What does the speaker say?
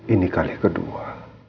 ini kali kedua